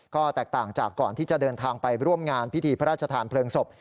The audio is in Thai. ก็แตกต่างจากก่อนที่จะเดินทางไปร่วมงานพิธีพระราชทานเพลิงศพ